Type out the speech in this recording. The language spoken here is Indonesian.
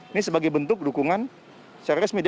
ini sebagai bentuk dukungan serius media